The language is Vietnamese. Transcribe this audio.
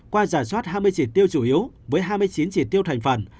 qua giả soát hai mươi chỉ tiêu chủ yếu với hai mươi chín chỉ tiêu thành phần